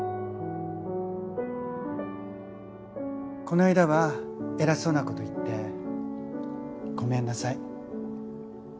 この間は偉そうなこと言ってごめんなさい。